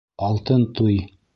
— Алтын туй.